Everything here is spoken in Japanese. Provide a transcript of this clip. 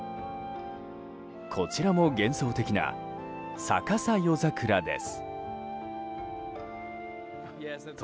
こちらも幻想的な逆さ夜桜です。